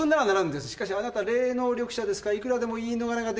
しかしあなた霊能力者ですからいくらでも言い逃れができる。